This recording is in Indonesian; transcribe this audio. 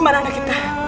mana ada kita